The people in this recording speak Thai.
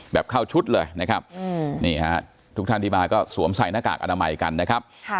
เข้าชุดเลยนะครับนี่ฮะทุกท่านที่มาก็สวมใส่หน้ากากอนามัยกันนะครับ